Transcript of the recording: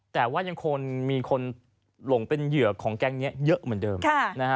แต่ว่ายังคงมีคนหลงเป็นเหยื่อของแก๊งนี้เยอะเหมือนเดิมนะฮะ